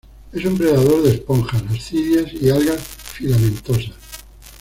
Es un predador de esponjas, ascidias y algas filamentosas.